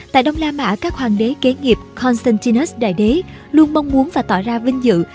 tại đông la mã các hoàng đế kế nghiệp constantinus đại đế luôn mong muốn và tỏ ra vinh dự